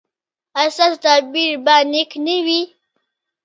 ایا ستاسو تعبیر به نیک نه وي؟